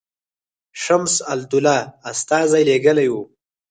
شمس الدوله استازی لېږلی وو.